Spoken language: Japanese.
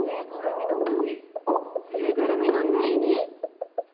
ぬいぐるみの「ぬい」にプラス。